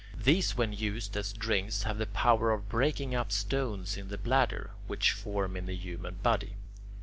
These when used as drinks have the power of breaking up stones in the bladder, which form in the human body.